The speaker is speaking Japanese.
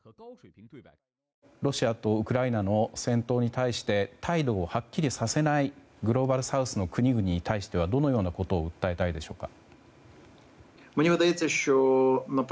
ロシアとウクライナの戦闘に対して態度をはっきりとさせないグローバルサウスの国々にはどのようなことを訴えたいでしょうか。